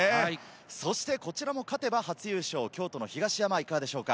こちらも勝てば初優勝、京都の東山はいかがでしょうか？